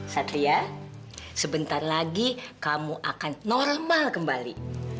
satria sebentar lagi kamu akan normal kembali